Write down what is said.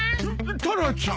タラちゃん。